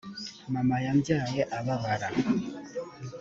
mama yambyaye ababara.